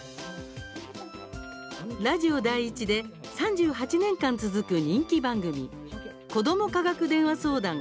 ラジオ第１で３８年間続く人気番組「子ども科学電話相談」。